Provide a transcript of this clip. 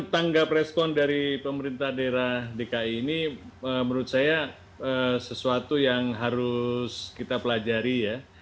tanggap respon dari pemerintah daerah dki ini menurut saya sesuatu yang harus kita pelajari ya